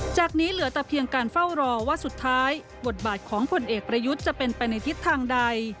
จากนี้เหลือแต่เพียงการเฝ้ารอว่าสุดท้ายบทบาทของผลเอกประยุทธ์จะเป็นไปในทิศทางใด